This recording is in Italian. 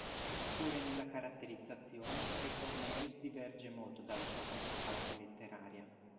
Pure nella caratterizzazione, Re Cornelius diverge molto dalla sua controparte letteraria.